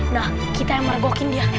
nah kita yang mergokin dia